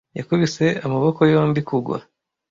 Yakubise amaboko yombi kugwa.